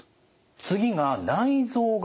次が内臓型。